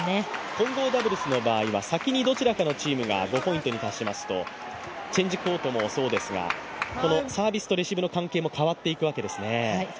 混合ダブルスの場合は先にどちらかのチームが５ポイントに達しますとチェンジコートもそうですがこのサービスとレシーブの関係も変わっていくわけですね。